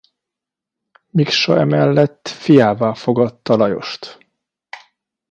Miksa emellett fiává fogadta Lajost.